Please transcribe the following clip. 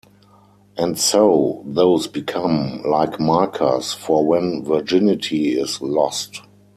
And so those become, like markers, for when virginity is lost.